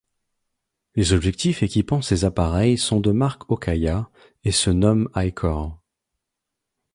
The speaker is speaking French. Les objectifs équipant ces appareils sont de marque Okaya et se nomment Highkor.